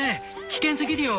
危険すぎるよ！」